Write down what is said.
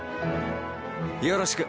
よろしく。